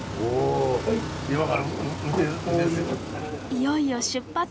いよいよ出発。